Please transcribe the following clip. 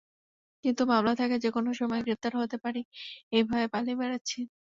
কিন্তু মামলা থাকায় যেকোনো সময় গ্রেপ্তার হতে পারি—এই ভয়ে পালিয়ে বেড়াচ্ছি।